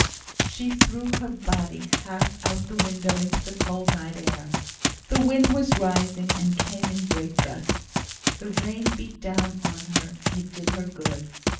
She threw her body half out of the window into the cold night air. The wind was rising, and came in great gusts. The rain beat down on her. It did her good.